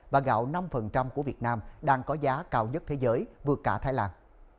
và gạo năm của việt nam đang có giá cao nhất thế giới vượt cả thái lan